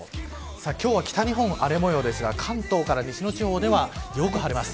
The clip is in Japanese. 今日は北日本、荒れ模様ですが関東から西の地方ではよく晴れます。